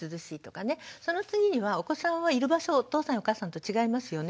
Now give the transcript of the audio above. その次にはお子さんはいる場所がお父さんやお母さんと違いますよね。